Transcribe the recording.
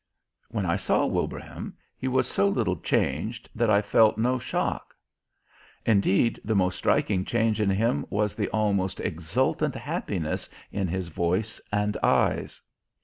When I saw Wilbraham he was so little changed that I felt no shock. Indeed, the most striking change in him was the almost exultant happiness in his voice and eyes.